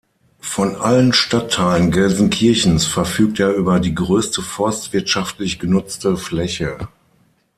Von allen Stadtteilen Gelsenkirchens verfügt er über die größte forstwirtschaftlich genutzte Fläche.